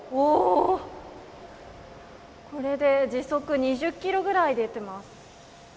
これで時速２０キロぐらい出てます。